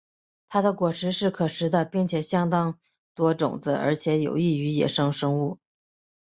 它的果实是可食的并且相当多种子而且有益于野生生物。